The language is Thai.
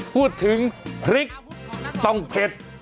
พูดถึงพริกต้องเผ็ด